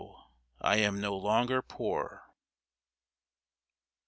I am no longer poor